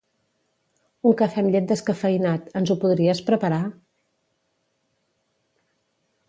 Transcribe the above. Un cafè amb llet descafeïnat, ens ho podries preparar?